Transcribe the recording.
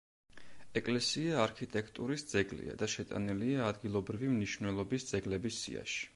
ეკლესია არქიტექტურის ძეგლია და შეტანილია ადგილობრივი მნიშვნელობის ძეგლების სიაში.